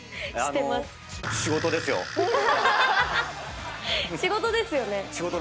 仕事ですよね？